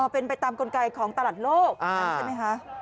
เป็นไปตามกลไกของตลาดโลกใช่ไหมคะ